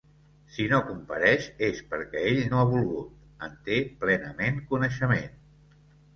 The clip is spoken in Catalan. Si no compareix és perquè ell no ha volgut, en té plenament coneixement.